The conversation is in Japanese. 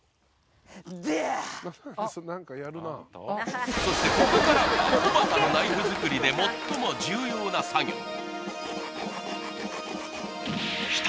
デヤーそしてここからがおばたのナイフ作りで最も重要な作業その